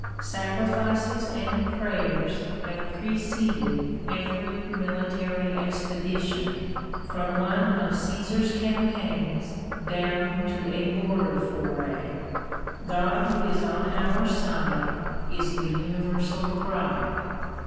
Sacrifices and prayers have preceded every military expedition, from one of Casar's campaigns, down to. a border foray. God is on our side, is the universal cry.